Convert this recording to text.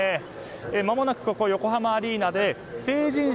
まもなくここ、横浜アリーナで成人式